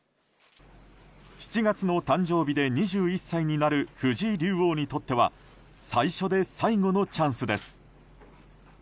７月の誕生日で２１歳になる藤井竜王にとっては最初で最後のチャンスです。